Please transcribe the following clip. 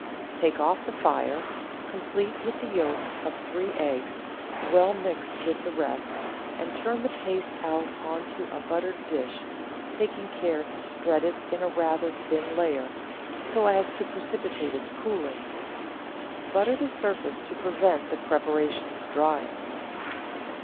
Take off the fire, complete with the yolks of three eggs, well mixed with the rest, and turn the paste out on to a buttered dish, taking care to spread it in a rather thin layer, so as to precipitate its cooling. Butter the surface to prevent the pre paration's drying.